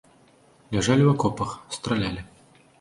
Ляжалі ў акопах, стралялі.